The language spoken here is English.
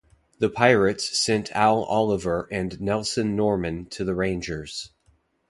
The Pirates sent Al Oliver and Nelson Norman to the Rangers.